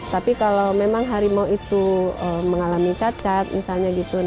tapi kalau memang harimau itu mengalami cacat